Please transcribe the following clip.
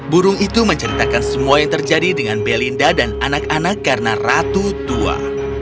burung itu menceritakan semua yang terjadi dengan belinda dan anak anak karena ratu tua